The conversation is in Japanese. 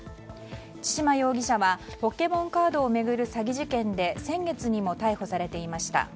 千島容疑者はポケモンカードを巡る詐欺事件で先月にも逮捕されていました。